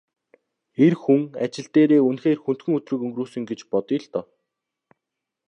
Эр хүн ажил дээрээ үнэхээр хүндхэн өдрийг өнгөрөөсөн гэж бодъё л доо.